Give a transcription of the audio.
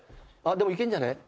でもいけんじゃない？